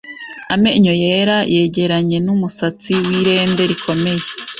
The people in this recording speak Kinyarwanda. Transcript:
amenyo yera yegeranye n’umusatsi w’irende rikomeye